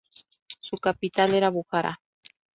Su capital era Bujará.